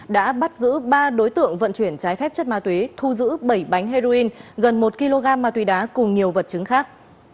đã bắt giữ ba đối tượng vận chuyển trái phép chất ma túy thu giữ bảy bánh heroin gần một kg ma túy đá cùng nhiều vật chứng khác